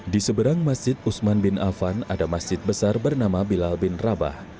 di seberang masjid usman bin afan ada masjid besar bernama bilal bin rabah